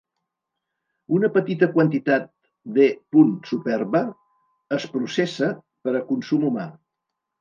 Una petita quantitat d'"E. superba" es processa per a consum humà.